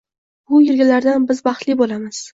Bu yilgilaridan “Biz baxtli bo‘lamiz